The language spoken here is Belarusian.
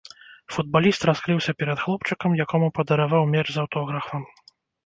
Футбаліст раскрыўся перад хлопчыкам, якому падараваў мяч з аўтографам.